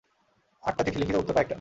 আটটা চিঠি লিখি তো উত্তর পাই একটার!